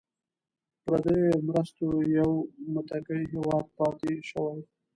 په پردیو مرستو یو متکي هیواد پاتې شوی.